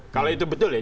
kalau itu betul ya